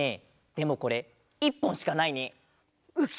でもこれ１ぽんしかないね。ウキ。